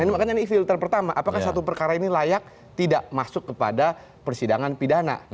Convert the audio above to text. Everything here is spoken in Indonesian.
ini makanya ini filter pertama apakah satu perkara ini layak tidak masuk kepada persidangan pidana